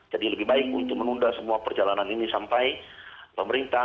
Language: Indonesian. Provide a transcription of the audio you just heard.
jadi lebih baik untuk menunda semua perjalanan ini sampai pemerintah